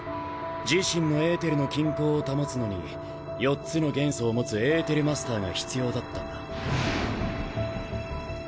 自身のエーテルの均衡を保つのに４つの元素を持つエーテルマスターが必要だったんだ。